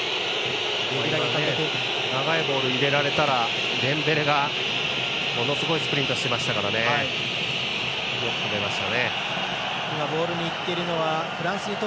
長いボールを入れられたらデンベレがものすごいスプリントしてましたからよく止めましたね。